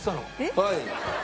はい。